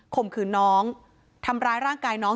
ข่มขืนน้องทำร้ายร่างกายน้อง